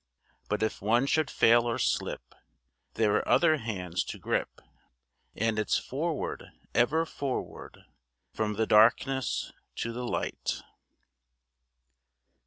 But if one should fail or slip, There are other hands to grip, And it's forward, ever forward, From the darkness to the light.